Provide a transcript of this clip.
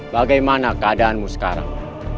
bagaimana keadaanmu sekarang